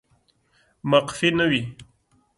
مقفي نه وي